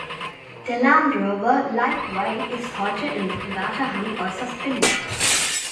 Der Land-Rover Lightweight ist heute in privater Hand äußerst beliebt.